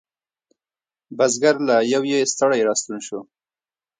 بزگر له یویې ستړی را ستون شو.